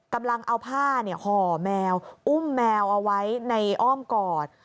กำลังเอาผ้าห่อแมวอุ้มแมวเอาไว้ในอ้อมกอด